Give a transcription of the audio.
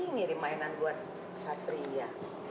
ngirim mainan buat satria